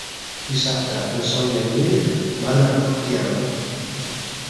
Dissabte na Sol i en Nil van a Utiel.